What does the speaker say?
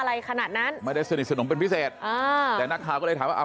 อะไรขนาดนั้นไม่ได้สนิทสนมเป็นพิเศษอ่าแต่นักข่าวก็เลยถามว่าอ่า